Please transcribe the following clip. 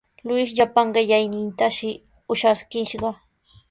Luis llapan qellaynintashi ushaskishqa.